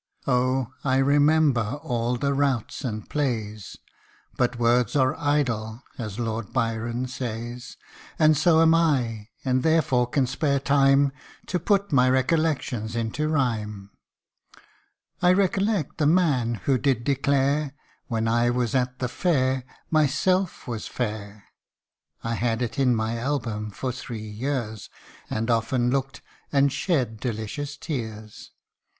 Oh ! I remember all the routs and plays " But words are idle," as Lord Byron says ; And so am I, and therefore can spare time, To put my recollections into rhyme. RECOLLECTIONS OF A FADED BEAUTY, 229 I recollect the man who did declare When I was at the fair, myself was fair: (I had it in my album for three years, And often looked, and shed delicious tears.)